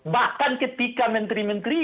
bahkan ketika menteri menteri